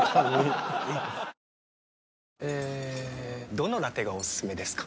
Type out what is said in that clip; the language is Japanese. どのラテがおすすめですか？